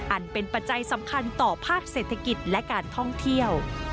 อันเป็นปัจจัยสำคัญต่อภาคเศรษฐกิจและการท่องเที่ยว